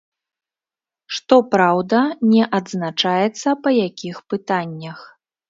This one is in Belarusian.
Што праўда, не адзначаецца па якіх пытаннях.